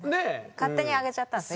勝手に上げちゃったんです？